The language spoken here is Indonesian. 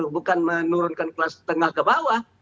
bukan menurunkan kelas tengah ke bawah